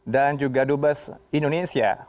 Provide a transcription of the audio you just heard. dan juga dubas indonesia